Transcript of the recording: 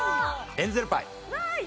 エンゼルパイ。